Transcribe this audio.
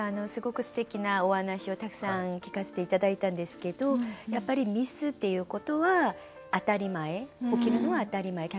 すごくすてきなお話をたくさん聞かせて頂いたんですけどやっぱりミスっていうことは当たり前起きるのは当たり前。